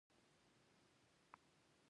د کونړ په سرکاڼو کې د کرومایټ نښې شته.